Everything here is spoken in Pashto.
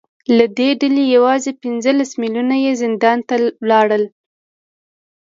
له دې ډلې یوازې پنځلس میلیونه یې زندان ته لاړل